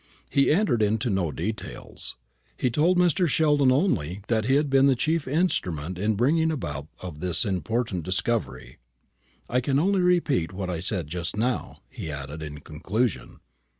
He entered into no details. He told Mr. Sheldon only that he had been the chief instrument in the bringing about of this important discovery. "I can only repeat what I said just now," he added, in conclusion.